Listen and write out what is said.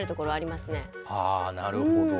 ああなるほど。